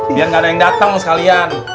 biar gak ada yang datang sekalian